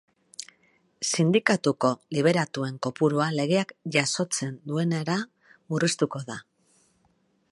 Sindikatuko liberatuen kopurua legeak jasotzen duenera murriztuko da.